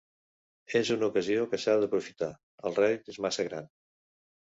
És una ocasió que s'ha d'aprofitar. El rèdit és massa gran!